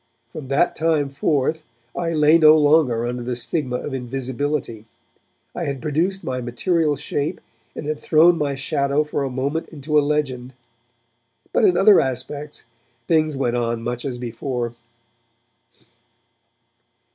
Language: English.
From that time forth I lay no longer under the stigma of invisibility; I had produced my material shape and had thrown my shadow for a moment into a legend. But, in other respects, things went on much as before.